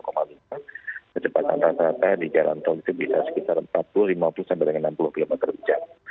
kecepatan tatakan di jalan tol itu bisa sekitar empat puluh lima puluh sampai dengan enam puluh km terkejam